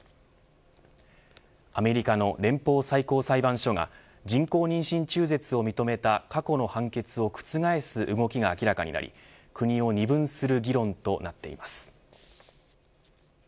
アメリカの連邦最高裁判所が人工妊娠中絶を認めた過去の判決を覆す動きが明らかになり国を二分する議論となっています。